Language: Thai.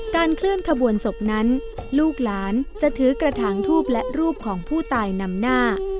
เคลื่อนขบวนศพนั้นลูกหลานจะถือกระถางทูบและรูปของผู้ตายนำหน้า